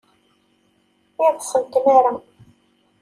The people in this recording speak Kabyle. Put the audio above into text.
Iḍes n tmara.